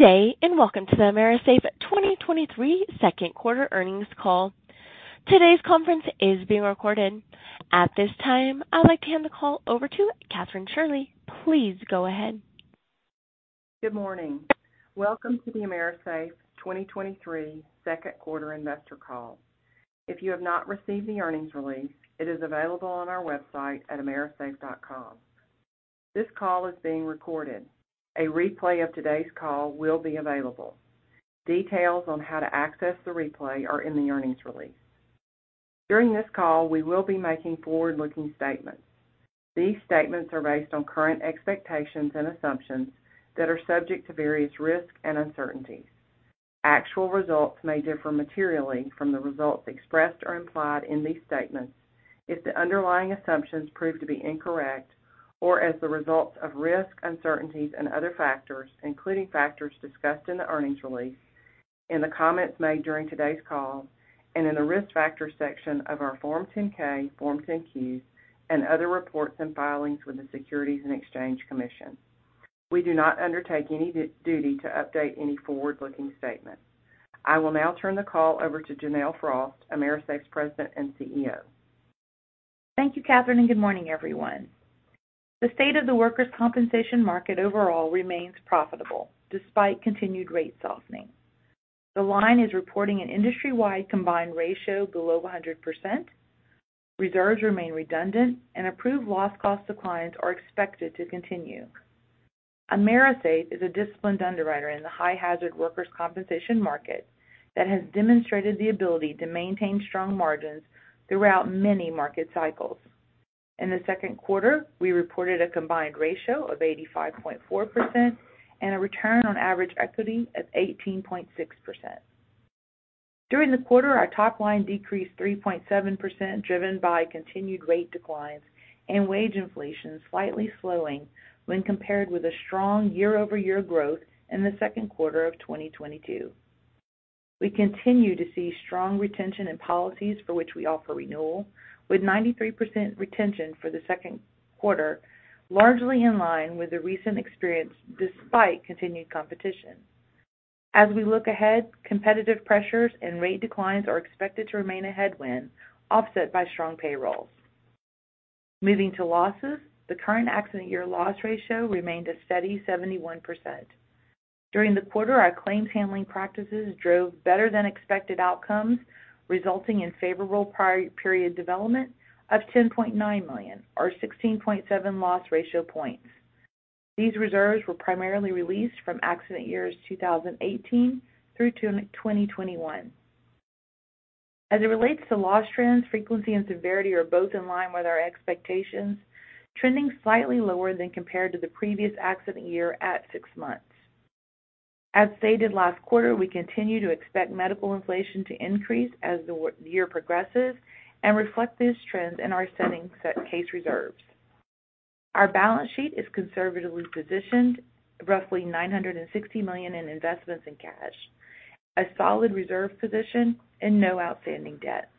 Good day. Welcome to the AMERISAFE 2023 second quarter earnings call. Today's conference is being recorded. At this time, I'd like to hand the call over to Kathryn Shirley. Please go ahead. Good morning. Welcome to the AMERISAFE 2023 second quarter investor call. If you have not received the earnings release, it is available on our website at amerisafe.com. This call is being recorded. A replay of today's call will be available. Details on how to access the replay are in the earnings release. During this call, we will be making forward-looking statements. These statements are based on current expectations and assumptions that are subject to various risks and uncertainties. Actual results may differ materially from the results expressed or implied in these statements if the underlying assumptions prove to be incorrect or as a result of risks, uncertainties, and other factors, including factors discussed in the earnings release, in the comments made during today's call, and in the Risk Factors section of our Form 10-K, Form 10-Qs, and other reports and filings with the Securities and Exchange Commission. We do not undertake any duty to update any forward-looking statements. I will now turn the call over to Janelle Frost, AMERISAFE's President and CEO. Thank you, Kathryn, Good morning, everyone. The state of the workers' compensation market overall remains profitable despite continued rate softening. The line is reporting an industry-wide combined ratio below 100%, reserves remain redundant, and approved loss costs to clients are expected to continue. AMERISAFE is a disciplined underwriter in the high-hazard workers' compensation market that has demonstrated the ability to maintain strong margins throughout many market cycles. In the second quarter, we reported a combined ratio of 85.4% and a return on average equity of 18.6%. During the quarter, our top line decreased 3.7%, driven by continued rate declines and wage inflation slightly slowing when compared with a strong year-over-year growth in the second quarter of 2022. We continue to see strong retention in policies for which we offer renewal, with 93% retention for the second quarter, largely in line with the recent experience, despite continued competition. As we look ahead, competitive pressures and rate declines are expected to remain a headwind, offset by strong payrolls. Moving to losses, the current accident year loss ratio remained a steady 71%. During the quarter, our claims handling practices drove better-than-expected outcomes, resulting in favorable prior period development of $10.9 million, or 16.7 loss ratio points. These reserves were primarily released from accident years 2018 through to 2021. As it relates to loss trends, frequency and severity are both in line with our expectations, trending slightly lower than compared to the previous accident year at 6 months. As stated last quarter, we continue to expect medical inflation to increase as the year progresses and reflect these trends in our setting set case reserves. Our balance sheet is conservatively positioned, roughly $960 million in investments in cash, a solid reserve position, and no outstanding debt.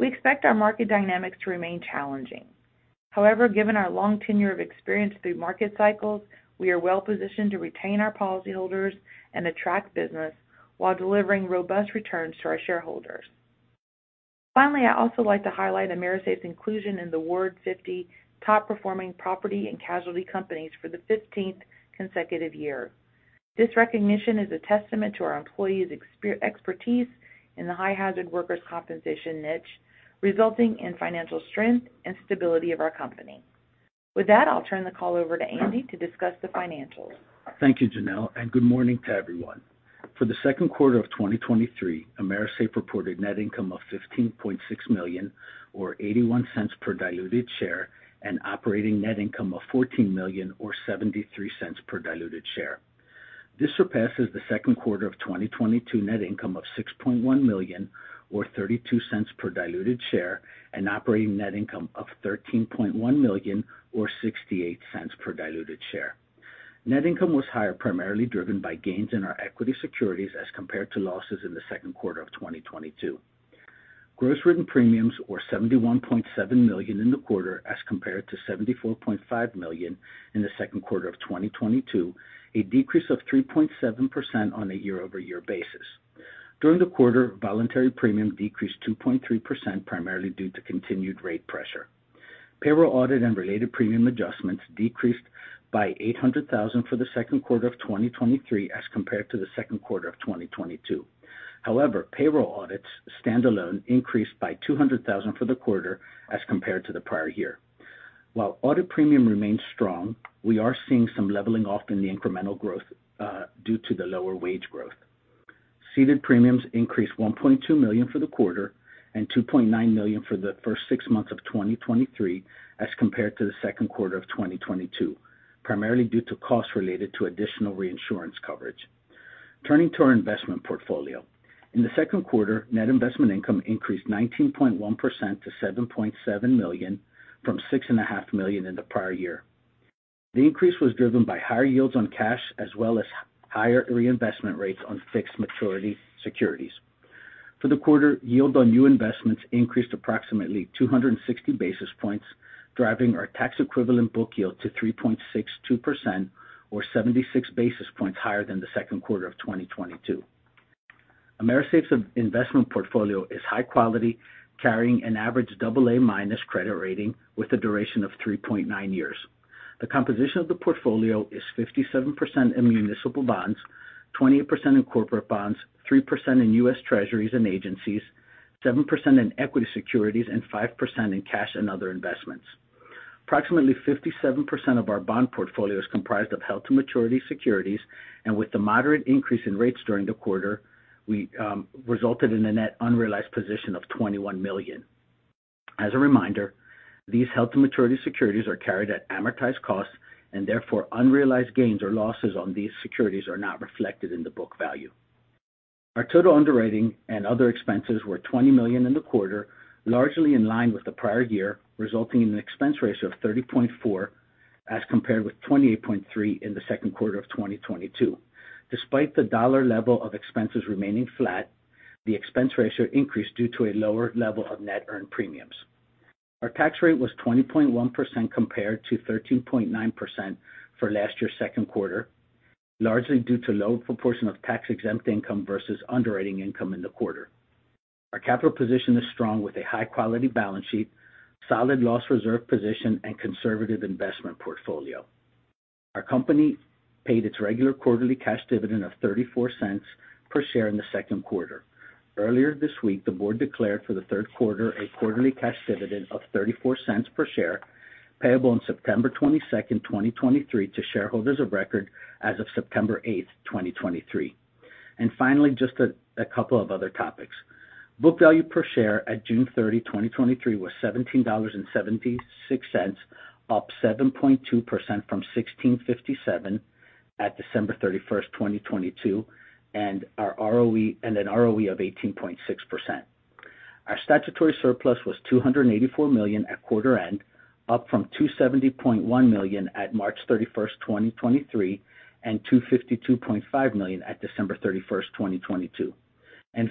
We expect our market dynamics to remain challenging. However, given our long tenure of experience through market cycles, we are well positioned to retain our policyholders and attract business while delivering robust returns to our shareholders. Finally, I'd also like to highlight AMERISAFE's inclusion in the Ward's 50 Top Performing Property and Casualty Companies for the 15th consecutive year. This recognition is a testament to our employees' expertise in the high-hazard workers' compensation niche, resulting in financial strength and stability of our company. With that, I'll turn the call over to Andy to discuss the financials. Thank you, Janelle. Good morning to everyone. For the second quarter of 2023, AMERISAFE reported net income of $15.6 million, or $0.81 per diluted share, and operating net income of $14 million or $0.73 per diluted share. This surpasses the second quarter of 2022 net income of $6.1 million, or $0.32 per diluted share, and operating net income of $13.1 million, or $0.68 per diluted share. Net income was higher, primarily driven by gains in our equity securities as compared to losses in the second quarter of 2022. Gross written premiums were $71.7 million in the quarter, as compared to $74.5 million in the second quarter of 2022, a decrease of 3.7% on a year-over-year basis. During the quarter, voluntary premium decreased 2.3%, primarily due to continued rate pressure. Payroll audit and related premium adjustments decreased by $800,000 for the second quarter of 2023 as compared to the second quarter of 2022. However, payroll audits standalone increased by $200,000 for the quarter as compared to the prior year. While audit premium remains strong, we are seeing some leveling off in the incremental growth, due to the lower wage growth. Ceded premiums increased $1.2 million for the quarter and $2.9 million for the first 6 months of 2023 as compared to the second quarter of 2022, primarily due to costs related to additional reinsurance coverage. Turning to our investment portfolio. In the second quarter, net investment income increased 19.1% to $7.7 million from $6.5 million in the prior year. The increase was driven by higher yields on cash as well as higher reinvestment rates on fixed maturity securities. For the quarter, yield on new investments increased approximately 260 basis points, driving our tax-equivalent book yield to 3.62%, or 76 basis points higher than the second quarter of 2022. AMERISAFE's investment portfolio is high quality, carrying an average AA- credit rating with a duration of 3.9 years. The composition of the portfolio is 57% in municipal bonds, 28% in corporate bonds, 3% in U.S. Treasuries and agencies, 7% in equity securities, and 5% in cash and other investments. Approximately 57% of our bond portfolio is comprised of held-to-maturity securities. With the moderate increase in rates during the quarter, we resulted in a net unrealized position of $21 million. As a reminder, these held-to-maturity securities are carried at amortized costs. Therefore, unrealized gains or losses on these securities are not reflected in the book value. Our total underwriting and other expenses were $20 million in the quarter, largely in line with the prior year, resulting in an expense ratio of 30.4%, as compared with 28.3% in the second quarter of 2022. Despite the dollar level of expenses remaining flat, the expense ratio increased due to a lower level of net earned premiums. Our tax rate was 20.1% compared to 13.9% for last year's second quarter, largely due to lower proportion of tax-exempt income versus underwriting income in the quarter. Our capital position is strong, with a high-quality balance sheet, solid loss reserve position, and conservative investment portfolio. Our company paid its regular quarterly cash dividend of $0.34 per share in the second quarter. Earlier this week, the board declared for the third quarter a quarterly cash dividend of $0.34 per share, payable on September 22, 2023, to shareholders of record as of September 8, 2023. Finally, just a couple of other topics. Book value per share at June 30, 2023, was $17.76, up 7.2% from $16.57 at December 31, 2022, an ROE of 18.6%. Our statutory surplus was $284 million at quarter end, up from $270.1 million at March 31, 2023, and $252.5 million at December 31, 2022.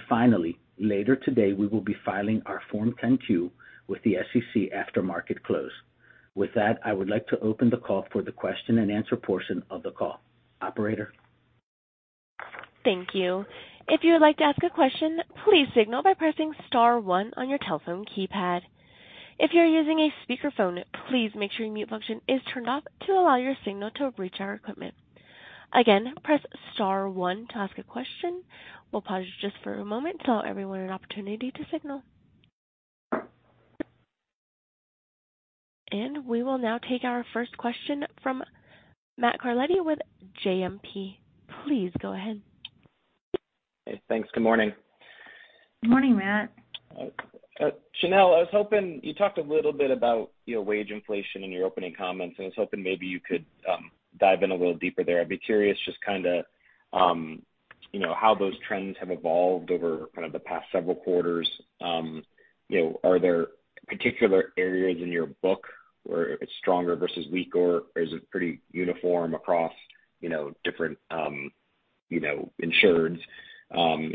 Finally, later today, we will be filing our Form 10-Q with the SEC after market close. With that, I would like to open the call for the question-and-answer portion of the call. Operator? Thank you. If you would like to ask a question, please signal by pressing star one on your telephone keypad. If you're using a speakerphone, please make sure your mute function is turned off to allow your signal to reach our equipment. Again, press star one to ask a question. We'll pause just for a moment to allow everyone an opportunity to signal. We will now take our first question from Matt Carletti with JMP. Please go ahead. Hey, thanks. Good morning. Good morning, Matt. Janelle, I was hoping, you talked a little bit about, you know, wage inflation in your opening comments, and I was hoping maybe you could dive in a little deeper there. I'd be curious, just kind of, you know, how those trends have evolved over kind of the past several quarters. You know, are there particular areas in your book where it's stronger versus weaker, or is it pretty uniform across, you know, different, you know, insureds?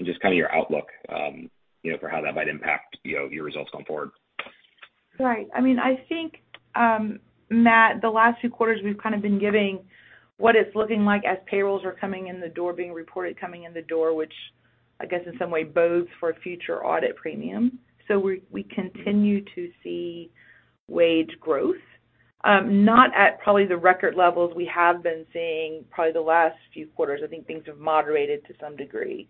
Just kind of your outlook, you know, for how that might impact, you know, your results going forward. Right. I mean, I think, Matt, the last two quarters, we've kind of been giving what it's looking like as payrolls are coming in the door, being reported coming in the door, which I guess in some way bodes for future audit premium. We continue to see wage growth, not at probably the record levels we have been seeing probably the last few quarters. I think things have moderated to some degree.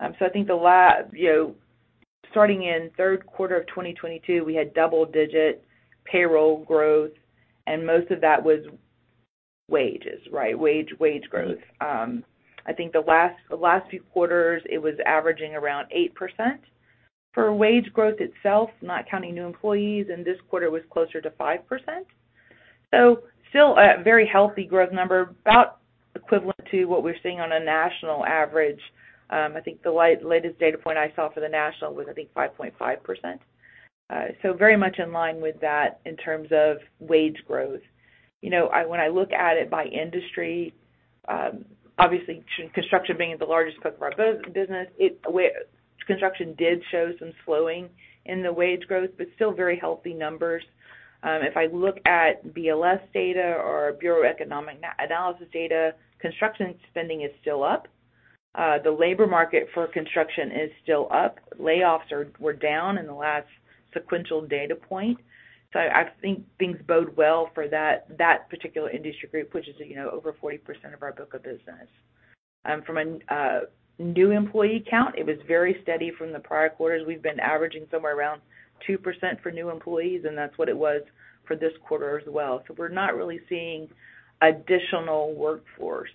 I think the last, you know, starting in third quarter of 2022, we had double-digit payroll growth, and most of that was wages, right? Wage, wage growth. I think the last, the last few quarters, it was averaging around 8% for wage growth itself, not counting new employees, and this quarter was closer to 5%. Still a very healthy growth number, about equivalent to what we're seeing on a national average. I think the latest data point I saw for the national was, I think, 5.5%. Very much in line with that in terms of wage growth. You know, when I look at it by industry, obviously, construction being the largest book of our business, where construction did show some slowing in the wage growth, but still very healthy numbers. If I look at BLS data or Bureau of Economic Analysis data, construction spending is still up. The labor market for construction is still up. Layoffs were down in the last sequential data point. I think things bode well for that, that particular industry group, which is, you know, over 40% of our book of business. From a new employee count, it was very steady from the prior quarters. We've been averaging somewhere around 2% for new employees, and that's what it was for this quarter as well. We're not really seeing additional workforce.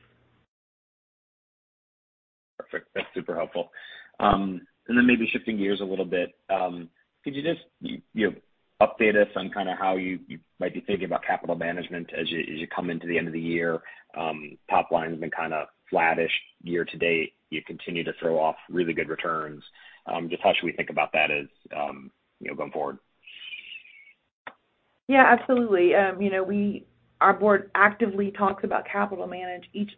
Perfect. That's super helpful. Then maybe shifting gears a little bit, could you just, you know, update us on kind of how you, you might be thinking about capital management as you, as you come into the end of the year? Top line has been kind of flattish year to date. You continue to throw off really good returns. Just how should we think about that as, you know, going forward? Yeah, absolutely. You know, we, our board actively talks about capital management each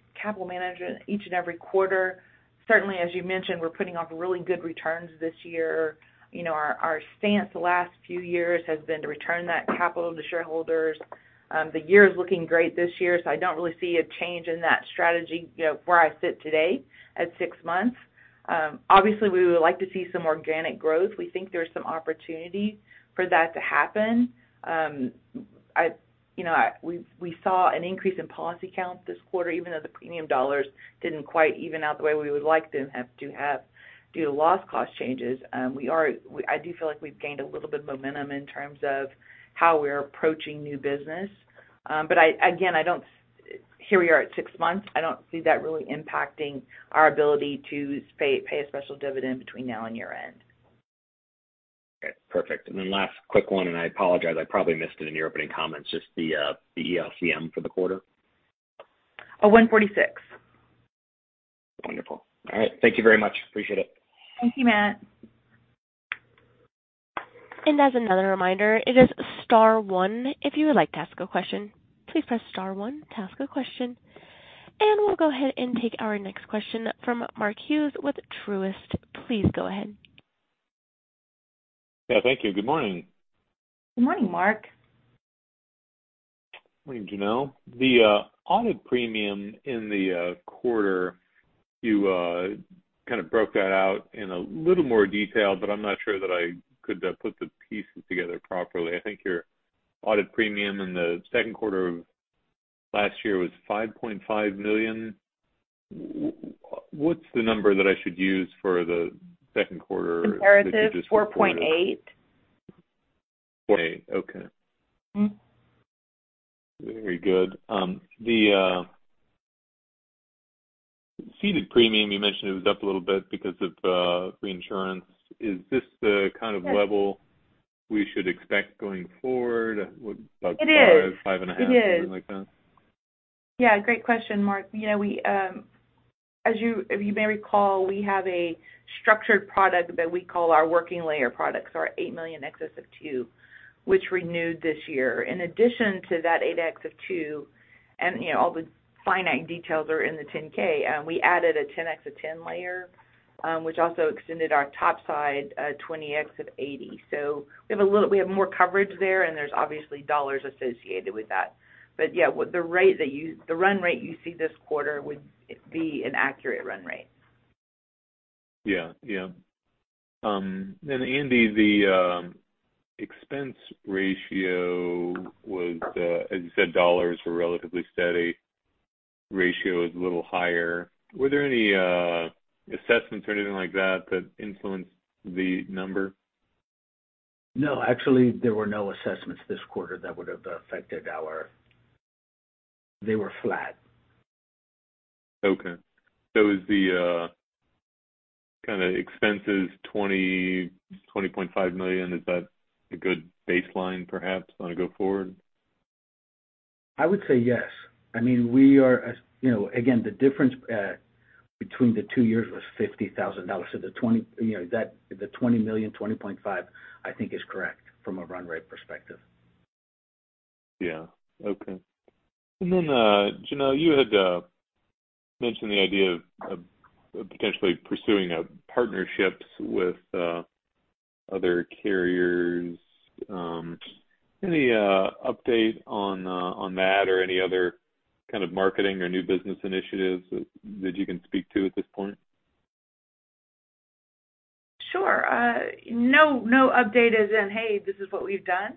and every quarter. Certainly, as you mentioned, we're putting off really good returns this year. You know, our, our stance the last few years has been to return that capital to shareholders. The year is looking great this year, so I don't really see a change in that strategy, you know, where I sit today at six months. Obviously, we would like to see some organic growth. We think there's some opportunity for that to happen. I, you know, I, we, we saw an increase in policy count this quarter, even though the premium dollars didn't quite even out the way we would like to have due to loss cost changes. I do feel like we've gained a little bit of momentum in terms of how we're approaching new business. I, again, I don't. Here we are at six months, I don't see that really impacting our ability to pay, pay a special dividend between now and year-end. Okay, perfect. Then last quick one, and I apologize, I probably missed it in your opening comments, just the ELCM for the quarter? Oh, 146. Wonderful. All right. Thank you very much. Appreciate it. Thank you, Matt. As another reminder, it is star one. If you would like to ask a question, please press star one to ask a question. We'll go ahead and take our next question from Mark Hughes with Truist. Please go ahead. Yeah, thank you. Good morning. Good morning, Mark. Morning, Janelle. The audit premium in the quarter, you kind of broke that out in a little more detail, but I'm not sure that I could put the pieces together properly. I think your audit premium in the second quarter of last year was $5.5 million. What's the number that I should use for the second quarter? Comparatives? $4.8 million. $4.8 million. Okay. Mm-hmm. Very good. The ceded premium, you mentioned, it was up a little bit because of reinsurance. Is this the kind of level- Yes - we should expect going forward? About- It is - five, five and a half- It is... something like that? Yeah, great question, Mark. You know, we, as you, if you may recall, we have a structured product that we call our working layer products, our $8 million excess of $2 million, which renewed this year. In addition to that 8X of two, you know, all the finite details are in the 10-K, we added a 10X of 10 layer, which also extended our top side, 20X of 80. We have more coverage there, and there's obviously dollars associated with that. Yeah, with the rate that The run rate you see this quarter would be an accurate run rate. Yeah, yeah. Andy, the expense ratio was, as you said, dollars were relatively steady, ratio is a little higher. Were there any assessments or anything like that, that influenced the number? No, actually, there were no assessments this quarter that would have affected our... They were flat. Okay. Is the kind of expenses, $20.5 million, is that a good baseline, perhaps, on a go forward? I would say yes. I mean, we are, as you know, again, the difference between the two years was $50,000. You know, that, the $20 million, $20.5 million, I think, is correct from a run rate perspective. Yeah. Okay. Then, Janelle, you had mentioned the idea of, of potentially pursuing partnerships with other carriers. Any update on that or any other kind of marketing or new business initiatives that, that you can speak to at this point? Sure. No, no update as in, "Hey, this is what we've done."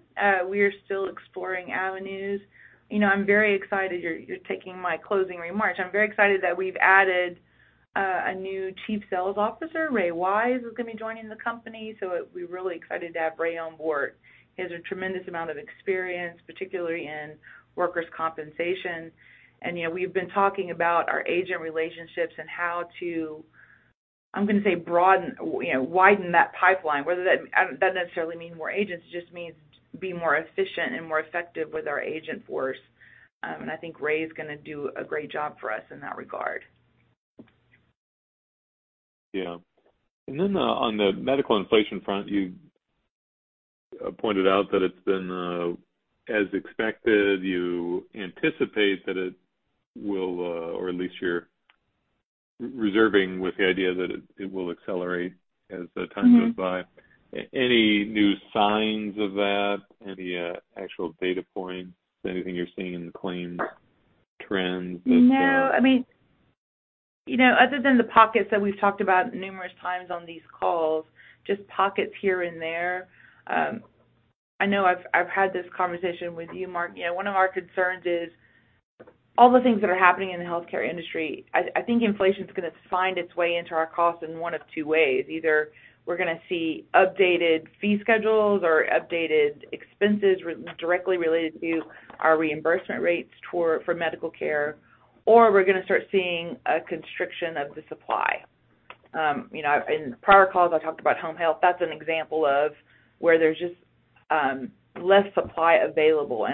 We are still exploring avenues. You know, I'm very excited you're, you're taking my closing remarks. I'm very excited that we've added a new Chief Sales Officer, Ray Wise is gonna be joining the company, so we're really excited to have Ray on board. He has a tremendous amount of experience, particularly in workers' compensation. You know, we've been talking about our agent relationships and how to, I'm gonna say, broaden, you know, widen that pipeline. Whether that doesn't necessarily mean more agents, it just means being more efficient and more effective with our agent force. I think Ray is gonna do a great job for us in that regard. Yeah. Then, on the medical inflation front, you pointed out that it's been as expected, you anticipate that it will, or at least you're reserving with the idea that it, it will accelerate as the time... Mm-hmm... goes by. Any new signs of that? Any actual data points, anything you're seeing in the claims trends this year? No. I mean, you know, other than the pockets that we've talked about numerous times on these calls, just pockets here and there. I know I've, I've had this conversation with you, Mark. You know, one of our concerns is all the things that are happening in the healthcare industry, I, I think inflation is going to find its way into our costs in one of two ways. Either we're gonna see updated fee schedules or updated expenses directly related to our reimbursement rates toward, for medical care, or we're gonna start seeing a constriction of the supply. You know, in prior calls, I talked about home health. That's an example of where there's just, less supply available.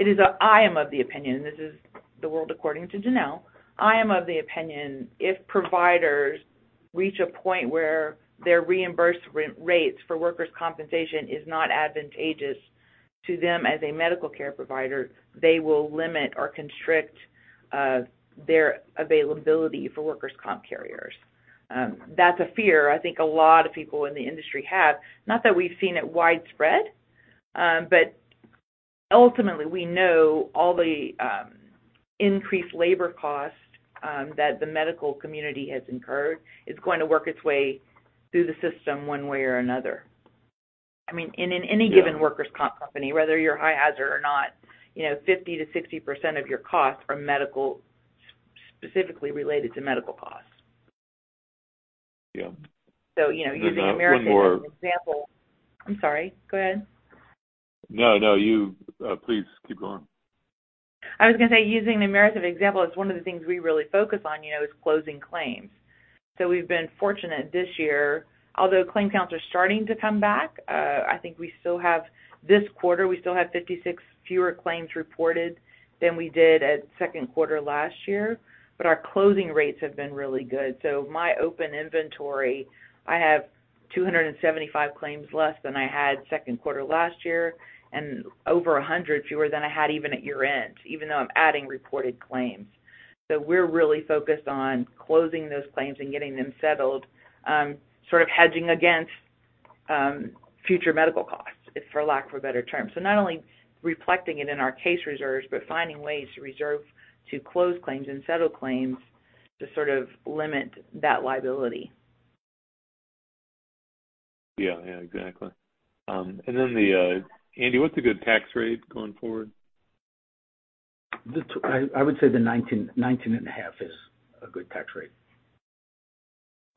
It is, I am of the opinion, this is the world according to Janelle. I am of the opinion, if providers reach a point where their reimbursement rates for workers' compensation is not advantageous to them as a medical care provider, they will limit or constrict their availability for workers' comp carriers. That's a fear I think a lot of people in the industry have. Not that we've seen it widespread, but ultimately we know all the increased labor costs that the medical community has incurred is going to work its way through the system one way or another. I mean, in, in any given workers' comp company, whether you're high hazard or not, you know, 50% to 60% of your costs are medical, specifically related to medical costs. Yeah. using AMERISAFE as an example. I'm sorry. Go ahead. No, no, you. Please, keep going. I was going to say, using the AMERISAFE example, it's one of the things we really focus on, you know, is closing claims. We've been fortunate this year, although claim counts are starting to come back, I think we still have-- this quarter, we still have 56 fewer claims reported than we did at second quarter last year, but our closing rates have been really good. My open inventory, I have 275 claims less than I had second quarter last year and over 100 fewer than I had even at year-end, even though I'm adding reported claims. We're really focused on closing those claims and getting them settled, sort of hedging against future medical costs, for lack of a better term. Not only reflecting it in our case reserves, but finding ways to reserve, to close claims and settle claims to sort of limit that liability. Yeah. Yeah, exactly. The, Andy, what's a good tax rate going forward? I would say the 19, 19.5 is a good tax rate.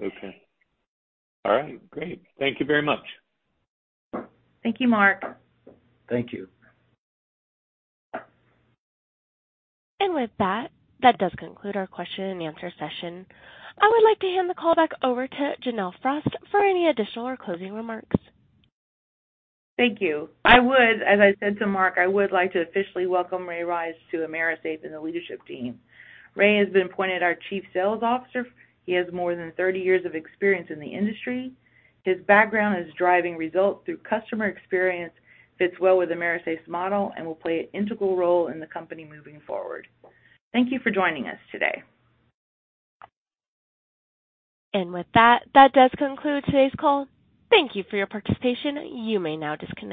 Okay. All right, great. Thank you very much. Thank you, Mark. Thank you. With that, that does conclude our question and answer session. I would like to hand the call back over to Janelle Frost for any additional or closing remarks. Thank you. I would, as I said to Mark, I would like to officially welcome Ray Wise to AMERISAFE and the leadership team. Ray has been appointed our Chief Sales Officer. He has more than 30 years of experience in the industry. His background is driving results through customer experience, fits well with AMERISAFE's model, and will play an integral role in the company moving forward. Thank you for joining us today. With that, that does conclude today's call. Thank you for your participation. You may now disconnect.